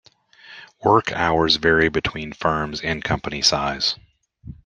Work hours vary between firms and company size.